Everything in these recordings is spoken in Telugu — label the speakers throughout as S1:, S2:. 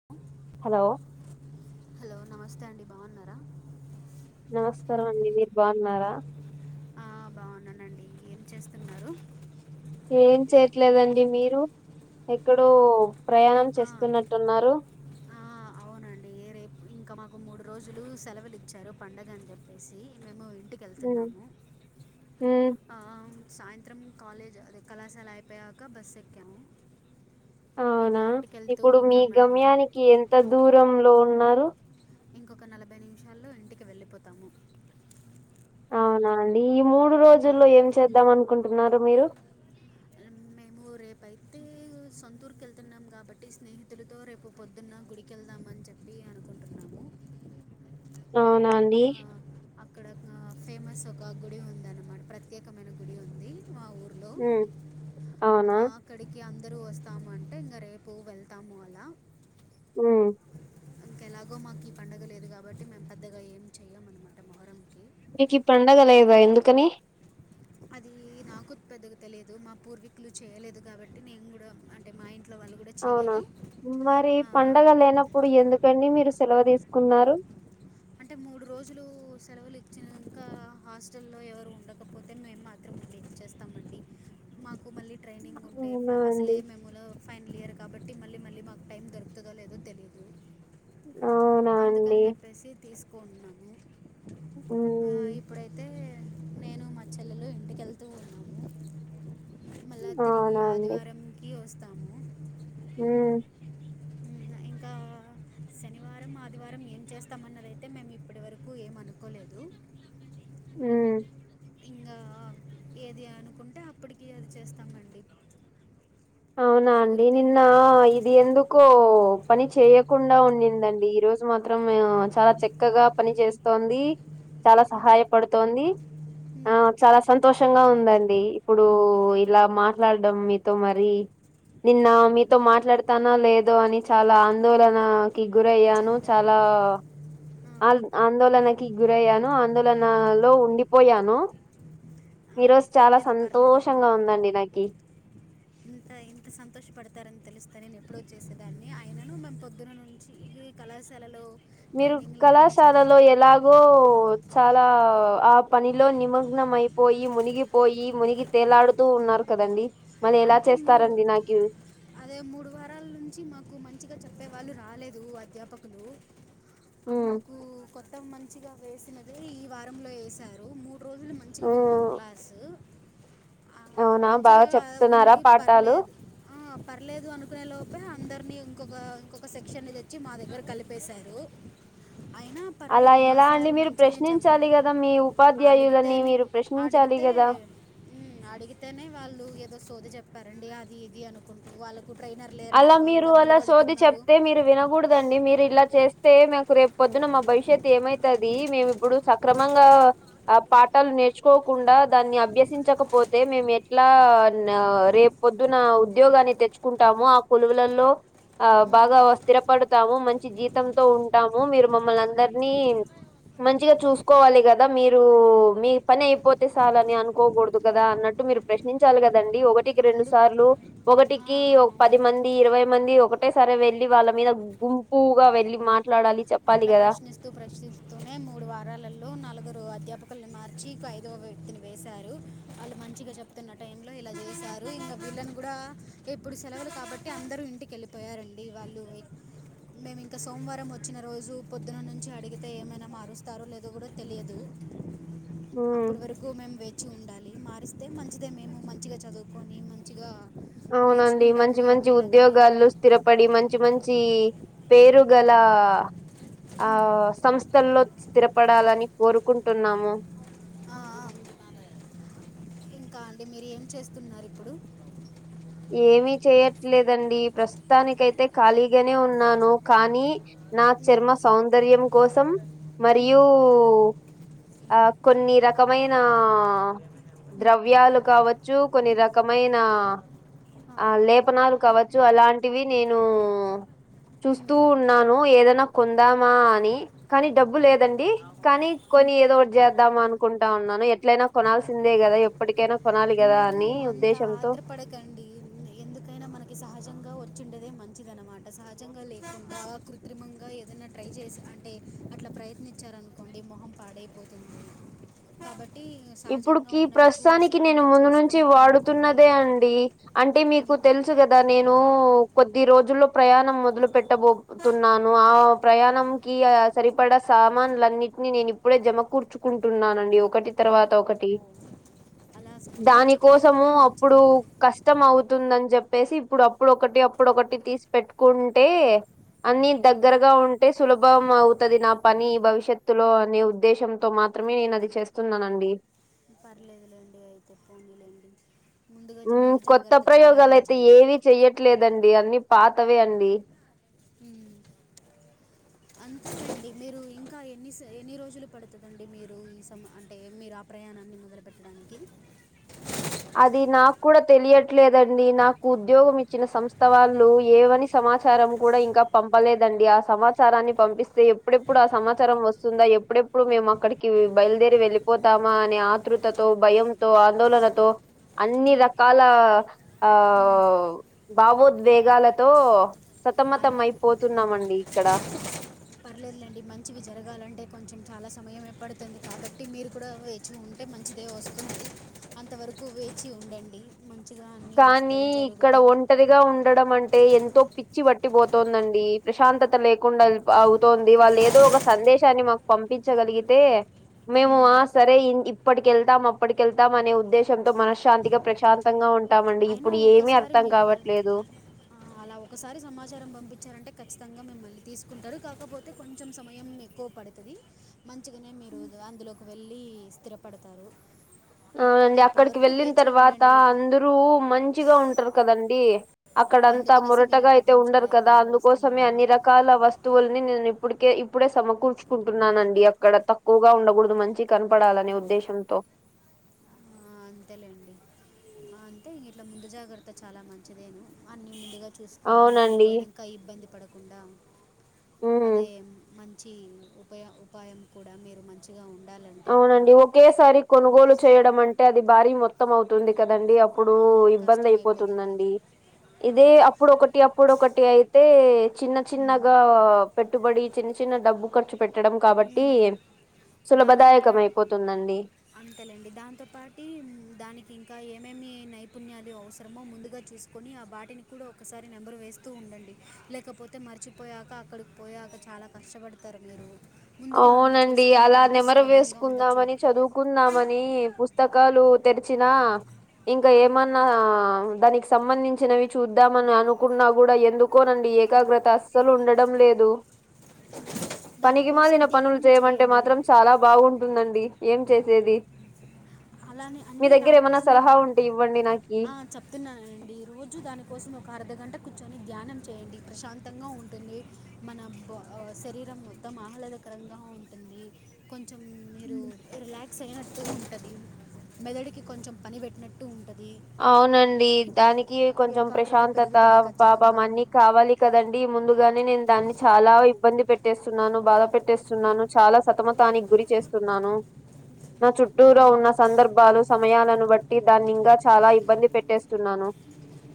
S1: [unintelligible]
S2: హలో
S1: హలో నమస్తే అండి బాగున్నారా,
S2: నమస్కారమండి మీరు బాగున్నారా
S1: ఆ బాగున్నానండి ఏం చేస్తున్నారు
S2: ఏం చేయట్లేదండి మీరు ఎక్కడో ప్రయాణం
S1: ఆ,
S2: చేస్తున్నట్టున్నారు,
S1: ఆ అవునండి రేపు ఇంకా మాకు మూడు రోజులు సెలవులు ఇచ్చారు, పండుగ అని చెప్పేసి మేము ఇంటికి
S2: ఉమ్
S1: వెళ్తున్నాము
S2: ఉమ్
S1: అం సాయంత్రం కాలేజ్ అదే కళాశాల అయిపోయాక బస్ ఎక్కాము ఇంకా
S2: అవునా
S1: ఇంటికెళ్తు
S2: ఇప్పుడు మీ గమ్యానికి ఎంత దూరంలో ఉన్నారు,
S1: ఇంకొక నలభై నిమిషాల్లో ఇంటికి వెళ్ళిపోతాము,
S2: అవునా అండి ఈ మూడు రోజుల్లో
S1: ఉమ్,
S2: ఏం చేద్దాం అనుకుంటున్నారు మీరు
S1: అమ్మే ఉ రేపుయితే సొంతఊరుకి వెళ్తున్నాం కాబట్టి స్నేహితులతో రేపు పొద్దున్న గుడికెళ్దామ అని చెపి వి అనుకుంటున్నాము,
S2: అవునాండి
S1: ఇక్కడ ఒక ఫేమస్ ఒక గుడి ఉంది అన్నమాట ప్రత్యేకమైన గుడి ఉంది మా ఊరు
S2: ఉ అవునా
S1: ఇక్కడికి అందరు వస్తామంటే ఇంకా రేపు వెళ్తాము అలా
S2: ఉ
S1: ఎలాగో మాకు ఈ పండుగ లేదు కాబట్టి మేము పెద్దగా ఏం చెయ
S2: మీకి పండగ లేదా ఎందుకని
S1: అది నాకు పెద్దగా తెలియదు మా పూర్వీకులు చేయలేదు కాబట్టి నేను కూడా అంటే మా ఇంట్లో వాళ్ళు కూడా
S2: అవునా
S1: చేయరు
S2: మరి పండగ లేనప్పుడు ఎందుకండి మీరు సెలవు తీసుకున్నారు,
S1: అంటే మూడు రోజులు సెలవులు ఇచ్చినంక హాస్టల్లో ఎవరు ఉండకపోతే మేము ఎంచేస్తాం అండి మాకు మళ్ళీ ట్రైనింగ్ ఉంటే
S2: అవునా అండి
S1: అసలే మేమ్ ములో ఫైనల్ ఇయర్ కాబట్టి మళ్ళీ మళ్ళీ మాకు టైం దొరుకుతదో లేదో తెలిదు
S2: అవునా
S1: అందుకని
S2: అండి
S1: చెప్పేసి తీసుకొన్నాము
S2: ఉ
S1: ఇప్పుడైతే నేను మా చెల్లెలు ఇంటికెళ్తూ ఉన్నాము మళ్ళా తిరిగి
S2: అవునా అండి
S1: ఆదివారంకి వస్తాము,
S2: ఉ
S1: ఇంకా శనివారం ఆదివారం ఏం చేస్తామన్నాది దైతే మేము ఇప్పటివరకు ఏం అనుకోలేదు
S2: హ్మ్
S1: ఇంగా ఏది అనుకుంటే అప్పటికి అది చేస్తామండి,
S2: అవునా అండి
S1: కుదిరితే
S2: నిన్నా ఇది ఎందుకో పని చేయకుండా ఉండిందండి ఈ రోజు మాత్రం చాలా చక్కగా పని చేస్తోంది, చాలా
S1: మ్మ్.
S2: సహాయపడుతోంది, ఆ
S1: మ్మ్.
S2: చాలా సంతోషంగా ఉందండి ఇప్పుడు ఇలా మాట్లాడం మీతో మరి నిన్న
S1: ఓ
S2: మీతో మాట్లాడతానా లేదో అని చాలా ఆందోనా కి గురియ్యాను
S1: చందర
S2: చాలా
S1: ఆ,
S2: ఆల్ ఆందోళనకి గురయ్యాను ఆందోళనలో ఉండి పోయాను
S1: ఆ,
S2: ఈరోజు చాలా
S1: పర్లేదు పర్లేదండి
S2: సంతోషంగా ఉందండి నాకి
S1: ఇంత ఇంత సంతోషపడతారని తెలుస్తే నేను ఎప్పుడ చేసేదాన్ని ఆయనను మేం పొద్దున నుంచి ఈ కళాశాలలో
S2: మీరు
S1: ట్రైనింగ్లో కొంచెం
S2: కళాశాలలో ఎలాగో బో చాలా ఆ పనిలో నిమగ్నం అయిపోయి మునిగిపోయి మునిగి తేలాడుతూ ఉన్నారు కదండి
S1: అంటే మూరూ
S2: థ్యాంక్యు
S1: అదే మూడు వారాల నుంచి మాకు మంచిగా చెప్పే వాళ్ళు రాలేదు అధ్యాపకులు అ
S2: మ్మ్
S1: మాకు కొత్తం మంచిగా వేసినదే ఈ వారంలో వేసారు మూ డ్రోజులు మంచిగా విన్నాం
S2: మ్మ్
S1: క్లాసు అ
S2: అవునా
S1: మంచిగా
S2: బాగా చెప్తున్నారా
S1: ఉంది
S2: పాఠాలు
S1: పర్లేదు ఆ పర్లేదు అనుకునే లోపే అందరినీ ఇంకొక ఇంకొక సెక్షన్ని తెచ్చి మా దగ్గర కలిపేశారు అయిన
S2: అలా
S1: పర్లేదు మా
S2: ఎలా అండి
S1: సారు
S2: మీరు
S1: మంచిగానే చెప్పాడు
S2: ప్రశ్నించాలి కదా మీ ఉపాధ్యాయులని
S1: అడిగితేనే
S2: మీరు ప్రశ్నించాలి
S1: అడిగితే
S2: కదా
S1: ఉమ్ అడిగితేనే వాళ్ళు ఏదో సోది చెప్పారండి అది ఇది అనుకుంటు వాళ్ళక్ కు ట్రైనర్ లేరంట
S2: అలా
S1: వాళ్ళు
S2: మీరు అలా
S1: డబ్బులు
S2: సోది
S1: కడుతున్నారు
S2: చెప్తే మీరు వినకూడద్ దండి మీరు ఇలా చేస్తే మాకు రేపు పొద్దున్న మా భవిష్యత్ ఏమైతది మేమి ఇప్పుడు సక్రమంగా ఆ పాఠాలు నేర్చుకోకుండా దాన్ని అభ్యసించకపోతే మేము ఎట్లా న రేపు పొద్దున ఉద్యోగాన్ని తెచ్చుకుంటాము ఆ కొలువులల్లో ఆ బాగా స్థిరపడతాము మంచి జీతంతో ఉంటాము మీరు మమ్మల్న్ అందరినీ మంచిగా చూసుకోవాలి కదా మీరు మీ పని అయిపోతే సాలని అనుకోకూడదు కదా అన్నట్టు మీరు ప్రశ్నించాలి కదండి ఒకటికి రెండు
S1: అందు
S2: సార్లు
S1: ఆ,
S2: ఒకటికి ఓక్
S1: ఆ.
S2: పది మంది ఇరవై మంది ఒకటే సారే వెల్లి వాళ్ళ మీద గుంపుగా వెళ్ళి మాట్లాడాలి చెప్పాలి
S1: అట్ల
S2: కదా
S1: ప్రశ్నిస్త తు ప్రశనిస్తూనే మూడు వారాలలో నలుగురు అధ్యాపకుల్ని మార్చి ఇక ఐదవ వ్యక్తిని వేశారు వాళ్ళు మంచిగ చెప్తున్న టై లో ఇలా చేశారు ఇంకా పిల్ళని కూడా ఎప్పుడు సెలవులు కాబట్టి అందరుూ ఇంటికెళ్ళి పోయరండి వాళ్ళు మేము ఇంక సోమవారం వచ్చిన రోజు పొద్దున నుంచి అడిగితే ఏమైనా మారుస్తారో లేదో కూడా తెలియదు
S2: ఉమ్
S1: అప్పుడి వరకు మేము వేచి ఉండాలి మారిస్తే మంచిదే మేము మంచిగా చదువుకొని మంచిగా
S2: అవునండి
S1: నేర్చుకుంటాము
S2: మంచి మంచి
S1: ఏమైనా కానీ
S2: ఉద్యోగాలుస్ స్థిరపడి మంచి మంచి పేరు గల ఆ
S1: ఉమ్, ఉమ్,
S2: సంస్ స్థలో స్థిరపడాలని కోరుకుంటున్నాము
S1: ఆ ఆ ఇంకా అండి మీరు ఏం చేస్తున్నారీప్పుడు
S2: ఏమి చేయట్లేదండి ప్రస్తుతానికయితే ఖాళీగానే ఉన్నాను కానీ నా
S1: మ్మ్.
S2: చర్మ సౌందర్యం కోసం
S1: మ్మ్.
S2: మరియు ఆ కొన్ని రకమైనా ద్రవ్యాలు కావచ్చు కొన్ని రకమైన ఆ లేపనాలు కావచ్చు అలాంటివి నేను చూస్తూ
S1: మ్మ్.
S2: ఉన్నాను ఏదైనా కొందామా అని కానీ డబ్బు
S1: ఆహా.
S2: లేదండి కానీ కొని ఏదో ఒకటి చేద్దాం అనుకుంటా ఉన్నాను ఎట్లైనా కొనాల్సిందే కదా ఎప్ ఇప్పటికైనా కొనాలి కదా అని ఉద్దేశం
S1: ఆత్ర పడకండి ఎందుకైనా మనకి సహజంగా వచ్చిండేదే మంచిద అనమాట సహజంగా లేకుండా కృత్రిమంగా ఏదనా ట్రై చేసి అంటే అట్లా ప్రయత్నించారనుకోండి మొహం పాడైపోతుంది కాబట్టి సహజంగా
S2: ఇప్పుడుకి
S1: ఉన్నవి చూసి
S2: ప్రస్తుతానికి నేను
S1: అన్నీ
S2: ముందు నుంచి
S1: చూసుకొని కొనుక్కోండి
S2: వాడుతున్నదే అండి అంటే మీకు
S1: మ్మ్.
S2: తెలుసు కదా నేను కొద్ది రోజుల్లో ప్రయాణం మొదలు పెట్టబో తున్నాను ఆ ప్రయాణం కి ఆ సరిపడ సామానులన్నింటిని నేను ఇప్ ఇప్పుడే జమకర్చుకుంటున్నానండి ఒకటి తర్వాత ఒకటి
S1: ఓ. అలా
S2: దాని
S1: కూర్చుకోవడం
S2: కోసము
S1: కూడా
S2: అప్పుడు
S1: మంచిదే
S2: కస్ ష్టం అవుతుందని చెప్పేసి ఇప్పుడు అప్పుడోకటి అప్పుడొకటి తీసి పెట్టుకుంటే అన్ని
S1: మ్మ్.
S2: దగ్గరగా ఉంటే సులభం అవుతది నా పని భవిష్యత్తులో అనే ఉద్దేశంతో మాత్రమే నేను అది చేస్తున్నానండి
S1: పర్లేదులేండి అయితే పోనిలేండి
S2: ఉ కొత్త ప్రయోగాలు అయితే
S1: మంచిది
S2: ఏవీ చెయ్యట్లేదండి అన్ని పాతవే అండి
S1: ఊ అం అంతే లేండి మీరు ఇంకా ఎన్ని స ఎన్ని రోజులు పడుతుందండి మీరు ఈ సమ అంటే మీరు ఆ ప్రయాణాన్ని మొదలుపెట్ డానికి
S2: అది నాకు కూడా తెలియట్లేదండి నాకు ఉద్యోగం ఇచ్చిన సంస్థ వాళ్ళు ఏవని సమాచారం కూడా ఇంకా పంపలేదండి ఆ సమాచారాన్ని పంపిస్తే ఎప్పుడెప్పుడు ఆ సమాచారం వస్తుందా ఎప్పుడె ప్పుడు మేము అక్కడికి బయలుదేరి వెళ్ళిపోతామా అనే ఆతృతతో, భయంతో, ఆందోళనతో అన్ని
S1: మ్మ్.
S2: రకాల ఆ
S1: మ్మ్.
S2: భావోద్వేగాలతో సతమ్మతం
S1: అన్ని కు-
S2: అయిపోతున్నామండి ఇక్కడ
S1: పర్లేదులేండి మంచివి జరగాలంటే కొంచెం చాలా సమయం ఏ పడుతుంది కాబట్టి మీరు కూడా ఉంటే మంచిదే వస్తుంది అంతవరకు వేచి ఉండండి మంచిగా అన్నీ
S2: కానీ
S1: వస్తాయి
S2: ఇక్కడ
S1: జరుగుతాయి
S2: ఒంటరిగా ఉండడం అంటే ఎంతో పిచ్చి పట్టి పోతుందండి ప్రశాంతత లేకుండా అవుతోంది వాళ్ళు ఏదో ఒక సందేశాన్ని మాకు పంపించగలిగితే మేము ఆ
S1: మ్మ్.
S2: సరే ఇప్పటికెళ్తాం అప్పటికెళ్తాం అనే ఉద్దేశ్యంతో మనశ్శాంతిగా ప్రశాంతంగా ఉంట టామండి
S1: అయినా
S2: ఇప్పుడు ఏమి
S1: ఒకసారి
S2: అర్థం
S1: మీకు అల-
S2: కావట్లేదు
S1: అలా ఒకసారి సమాచారం పంపించారంటే ఖచ్చితంగా మిమ్మల్ని తీసుకుంటారు కాకపోతే కొంచెం సమయం ఎక్కువ పడింది తది మంచిగానే మీరు అందులోకి వెళ్ళి స్థిరపడతారు కానీ
S2: అవునండి
S1: అప్పటి
S2: అక్కడికి
S1: వరకు
S2: వెళ్ళిన
S1: వేచి
S2: తర్వాత
S1: ఉండండి
S2: అందరూ మంచిగా ఉంటారు కదండీ అక్కడంతా
S1: అందుకనేసి మీరు
S2: మోరటగా
S1: ఇప్పటి
S2: అయితే
S1: నుంచి
S2: ఉండరు కదా
S1: ప్రయత్నాలు
S2: అందుకోసమే
S1: చేస్తున్నారా
S2: అన్ని రకాల వస్తు వస్తువుల్ని నేను ఇప్పటికే ఇప్పుడే
S1: అంత గట్టిగా
S2: సమకూర్చుకుంటున్నానండి
S1: మాట్లాడట్లా.
S2: అక్కడ తక్కువగా ఉండకూడదు మంచి కనపడాలనే ఉద్దేశం శం తో
S1: ఆ, అంతేలేండి అంతే ఇట్లా ముందు జాగ్రత్త చాలా మంచిదేను అన్ని ముందుగా చూసుకోవడం అక్కడి
S2: అవునండి
S1: పోయినాక ఇబ్బంది పడకుండా
S2: ఉమ్
S1: అదే మంచి ఉపా ఉపాయం కూడా మీరు మంచి చిగా ఉండాలంటే అక్కడ
S2: అవునండి ఒకేసారి కొనుగోలు చేయడం అంటే అది భారీ మొత్తం అవుతుంది కదండి అప్ ఇప్పుడు ఇబ్బంది
S1: కష్టమైపోతుంది
S2: అయిపోతుందండి ఇదే అప్పుడు ఒకకటి అప్పుడు ఒకటి అయితే చిన్న చిన్నగా పెట్టుబడి చిన్న చిన్న డబ్బు ఖర్చు పెట్టడం కాబట్టి
S1: దాంతో
S2: సులభదాయకం
S1: పాట్
S2: అయిపోతుందండి
S1: అంతలేండి దాంతోపాటి దానికి ఇంకా ఏమేమి నైపుణ్యాలు అవసరమో ముందుగా చూసుకు కొని ఆ వాటిని కూడా ఒకసారి నెమరు వేస్తూ ఉండండి లేకపోతే మర్చిపోయాక అక్కడికి పోయాక చాలా కష్టపడతారు మీరు ముందుగా అన్నీ
S2: అవునండి అలా
S1: చూసుకుంటుంటే
S2: నెమరు
S1: సులభంగా ఉండొచ్చు
S2: వేసుకుందామని చదువుకుందామని పుస్తకా పుస్తకాలు తెరిచినా ఇంకా
S1: ఆ,
S2: ఏమన్నా దానికి సంబంధించినవి చూద్దామన అనుకున్న కూడా ఎందుకోనండి
S1: ఆ.
S2: ఏకాగ్రత అసలు ఉండడం లేదు
S1: దానికోసం
S2: పనికిమాలిన పనులు
S1: ధ్యానం
S2: చేయమంటే
S1: చేయండి
S2: మాత్రం చాలా బాగుంటుందండి ఏం చేసేది
S1: అలానే
S2: మీ
S1: అంటే
S2: దగ్గర ఏమన్నా
S1: దానికోసమే
S2: సలహా
S1: వ్య-
S2: ఉంటే ఇవ్వండి నాకి
S1: ఆ, చెప్తున్నానండి రోజు దానికోసం ఒక అర్ధగంట కూర్చొని ధ్యానం చేయండి ప్రశాంతంగా ఉంటుంది మనం శరీరం మొత్తం ఆహ్లాదకరంగా ఉంటుంది కొంచెం నీరు రిలాక్స్ అయినట్టు ఉంటుంది మెదడుకి కొంచెం పని పెట్టినట్టు ఉంటుంది
S2: అవునండి దానికి కొంచెం
S1: ఏకాగ్రత
S2: ప్రశాంతత
S1: పెరుగుతుంది
S2: పాపం
S1: ఖచ్చితంగా
S2: అన్ని కావాలి కదండి ముందుగానే నేను దాన్ని చాలా ఇబ్బంది పెట్టేస్తున్నాను బాధ పెట్టేస్తున్నాను చాలా సతమతానికి గురి చేస్తున్నాను నా చుట్టూరా
S1: మ్మ్.
S2: ఉన్న సందర్భాలు సమయాలను బట్టి దాన్ని ఇంగా చాలా ఇబ్బంది పెట్టేస్తున్నాను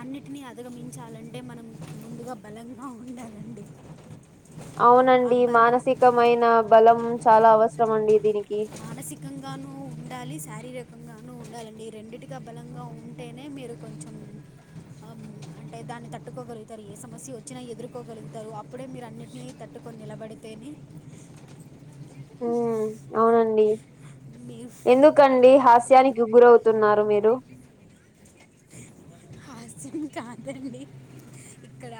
S1: అన్నిటిని అధిగమించాలంటే మనం ముందుగా బలంగా ఉండాలండి ఆ
S2: అవునండి
S1: బలం
S2: మానసికమైన బలం చాలా అవసరం అండి దీనికి
S1: మానసికంగానూ ఉండాలి శారీరకంగానూ ఉండాలండి రెండిటిగా బలంగా ఉండా అంటేనే మీరు కొంచెం ఆ అంటే దాన్ని తట్టుకోగలుగుతారు ఏ సమస్య వచ్చినా ఎదుర్కోగలుగుతారు అప్పుడే మీరు అన్నిటినీ తట్టుకొని నిలబడి తేని
S2: ఉమ్ అవునండి
S1: మీ
S2: ఎందుకు ఎదుకండి హాస్యానికి గురవుతున్నారు మీరు
S1: ఆశ్చర్యం కాదండి ఇక్కడ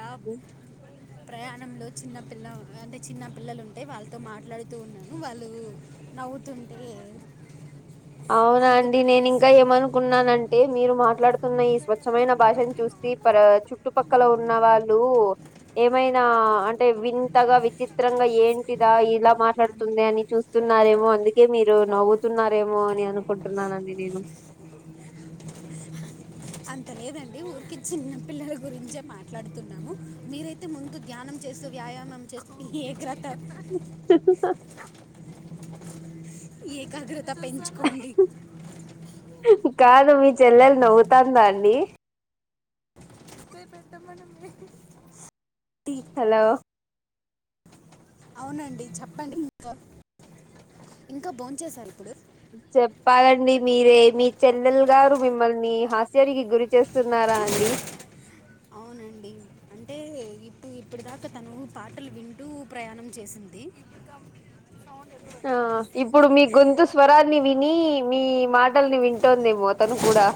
S1: ప్రయాణంలో చిన్నపిల్ల ఉన్న చిన్న పిల్లలు ఉంటే వాళ్ళతో మాట్లాడుతూ ఉన్నాను వాళ్ళు నవ్వుతుంటే
S2: అవునా అండి నేను ఇంకా
S1: అందుకనేసి
S2: ఏమనుకున్నాను అంటే మీరు మాట్లాడుతున్న ఈ స్వగ్ స్పష్టమైన భాషను చూస్తి పర చుట్టుపక్కల ఉన్న వాళ్ళు ఏమైనా అంటే వింతగా విచిత్రంగా ఏంటిదా ఇలా
S1: అన్-
S2: మాట్లాడుతుంది అని చూస్తే చుస్తున్నారేమో అందుకే మీరు నవ్వుతున్నారేమో అని అనుకుంటున్నానండి నేను
S1: ఆ అంతా లేదండి ఊరికి చిన్న పిల్లల గురించే మాట్లాడుతున్నాము మీరైతే ముందు ధ్యానం చేస్తూ వ్యాయామం చేస్తు ఏకాగ్రత పెంచుకోండి
S2: కాదు మీ చెల్లెల్ నవ్వుతుందా అండి
S1: ఏ పెద్ద మేడం
S2: హాలో
S1: అవునండి చెప్పండి ఇంకా ఇంకా బోంచేసారా ఇప్పుడు
S2: చెప్పాలండి మీరే మీ చెల్లెల్ గారు మిమ్మల్ని హాస్యానికిగురి చేస్తున్నారా అండి
S1: అవునండి అంటే ఇప్పు ఇప్పుడి దాకా తను పాటలు వింటూ ప్రయాణం చేసింది గం సౌండ్ ఎక్కువ
S2: ఆ
S1: వస్తంది చూసుకో
S2: ఇప్పుడు మీ గొంతు స్వరాన్ని విని మీ మాటల్ని వింటోందేమో అతను కూడా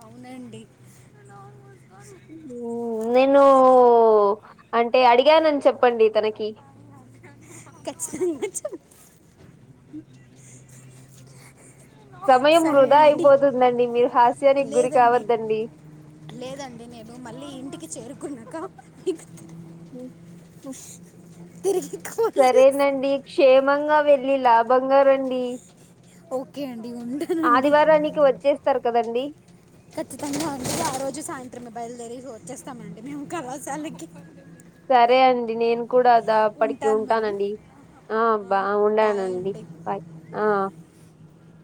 S1: అవునండి నువ్వు నోరు మూసుకోన్
S2: ఉ నేనూ అంటే అడిగానని చెప్పండి తనకి
S1: కచ్చితంగా చెప్
S2: సమయం
S1: సరే
S2: వృధా
S1: అండి
S2: అయిపోతుందండి మీరు హాస్యానికి గురి
S1: లేదండి
S2: కావద్దండి
S1: లేదండి నేను మళ్ళీ ఇంటికి చేరుకున్నాక ఇన్
S2: ఉహు
S1: తిరు కో
S2: సరేనండి క్షేమంగా వెళ్ళి లాభంగా రండి
S1: ఓకే అండి ఉంటా
S2: ఆదివారానికి వచ్చేస్తారు కదండీ
S1: ఖచ్చితంగా అండి ఆ రోజు సాయంత్రం బయలుదేరి వచ్చేస్తామండి మేము కళాశాలకి
S2: సరే అండి నేన్ కూడా దా అప్పటికి
S1: ఉంటాను మరి
S2: ఉంటానండి ఆ బా
S1: బాయ్
S2: ఉండానండి
S1: అండి
S2: హాయ్ ఆ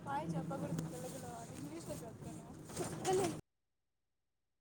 S1: హాయ్ చెప్పకూడదు తెలుగులో ఇంగ్లీష్లో చెప్తున్నా చెప్పండి